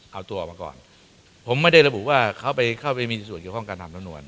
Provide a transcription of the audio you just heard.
เอาตัวออกมาก่อนผมไม่ได้ระบุว่าเขาไปเข้าไปมีส่วนเกี่ยวข้องการทำสำนวน